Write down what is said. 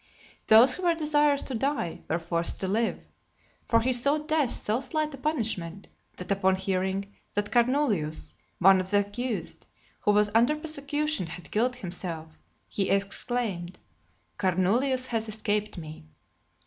Those who were desirous to die, were forced to live. For he thought death so slight a punishment, that upon hearing that Carnulius, one of the accused, who was under prosecution, had killed himself, he exclaimed, "Carnulius has escaped me."